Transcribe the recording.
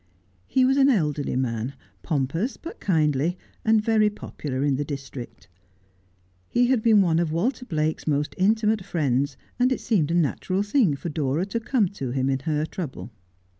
He was an elderly man, pompous but kindly, and very popular in the district. He had been one of Walter Blake's most intimate friends, and it seemed a natural thing for Dora to come to him in her trouble.